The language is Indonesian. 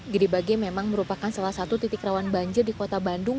gedebage memang merupakan salah satu titik rawan banjir di kota bandung